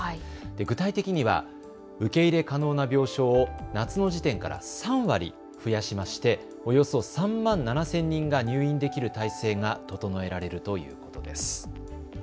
具体的には受け入れ可能な病床を夏の時点から３割増やしましておよそ３万７０００人が入院できる体制が整えられるということです。